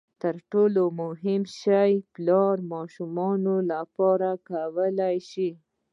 تر ټولو مهم شی پلار ماشومانو لپاره کولای شي.